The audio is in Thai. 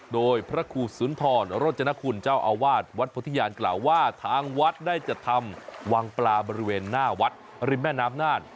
โดยพระครูสุนทรโรจนคุณเจ้าอาวาสวัดโพธิญาณกล่าวว่าทางวัดได้จัดทำวังปลาบริเวณหน้าวัดริมแม่น้ำน่าน